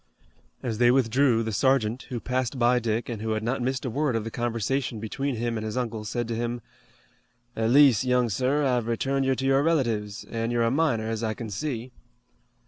As they withdrew the sergeant, who passed by Dick and who had not missed a word of the conversation between him and his uncle, said to him: "At least, young sir, I've returned you to your relatives, an' you're a minor, as I can see."